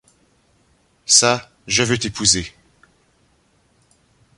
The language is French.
Çà, je veux t’épouser.